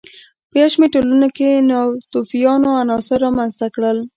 یو شمېر ټولنو لکه ناتوفیانو عناصر رامنځته کړل.